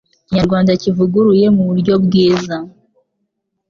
Ikinyarwanda kivuguruye muburyo bwiza !!!